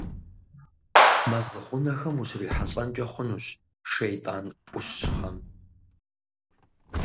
Мэз гъунэхэм ущрихьэлӀэнкӀэ хъунущ шейтӀанӀущхъэм.